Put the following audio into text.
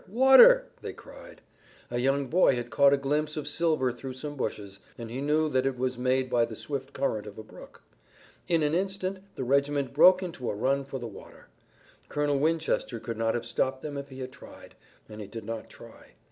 Water!" they cried. A young boy had caught a glimpse of silver through some bushes, and he knew that it was made by the swift current of a brook. In an instant the regiment broke into a run for the water. Colonel Winchester could not have stopped them if he had tried, and he did not try.